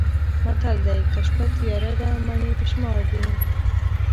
متل دی: که شپه تیاره ده مڼې په شمار دي.